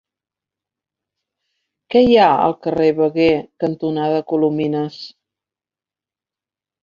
Què hi ha al carrer Veguer cantonada Colomines?